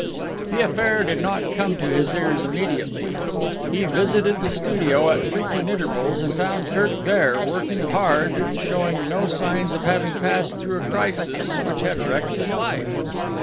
The affair did not come to his ears immediately. He visited the studio at frequent intervals and found Kirk there, working hard and showing no signs of having passed through a crisis which had wrecked his life.